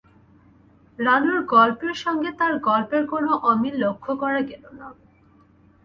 রানুর গল্পের সঙ্গে তাঁর গল্পের কোনো অমিল লক্ষ্য করা গেল না।